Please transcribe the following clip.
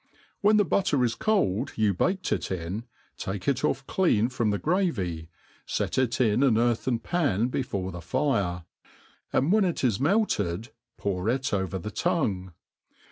When the butter is cold you baked it in, take it ofF clean from the gravy, fet It in an earthen pan before the fire; and when it is melted, pour it over the tongue.